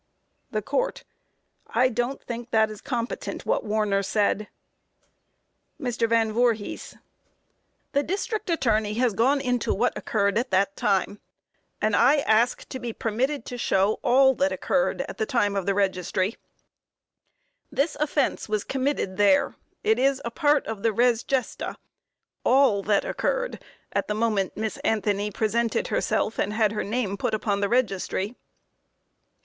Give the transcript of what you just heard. THE COURT: I don't think that is competent, what Warner said: MR. VAN VOORHIS: The district attorney has gone into what occurred at that time, and I ask to be permitted to show all that occurred at the time of the registry; this offense was committed there; it is a part of the Res Gesta; all that occurred at the moment Miss Anthony presented herself and had her name put upon the registry.